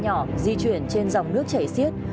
ghe nhỏ di chuyển trên dòng nước chảy xiết